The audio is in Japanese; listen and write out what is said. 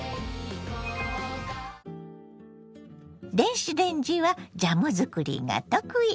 電子レンジはジャム作りが得意。